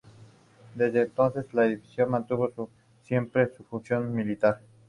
Desde entonces, el edificio mantuvo siempre su función militar.